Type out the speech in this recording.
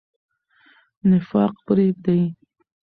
نفاق پریږدئ.